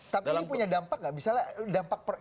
tapi ini punya dampak nggak